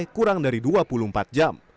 kurang dari dua puluh empat jam